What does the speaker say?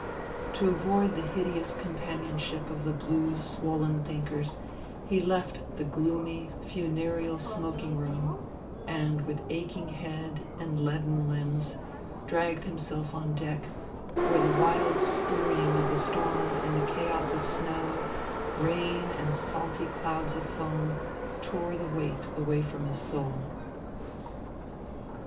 To avoid the hideous companionship of the blue, swollen thinkers, he left the gloomy, funereal smoking room, and, with aching head and leaden limbs, dragged himself on deck, where the wild scurrying of the storm and the chaos of snow, rain and salty clouds of foam tore the weight away from his soul.